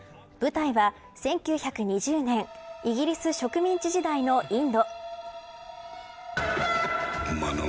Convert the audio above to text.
舞台は、１９２０年イギリス植民地時代のインド。